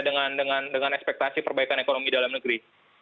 dengan ekspektasi perbaikan ekonomi dalam negeri